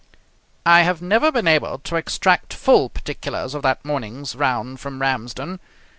I have never been able to extract full particulars of that morning's round from Ramsden.